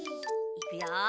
いくよ！